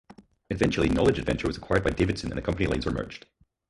Eventually, Knowledge Adventure was acquired by Davidson and the company lines were merged.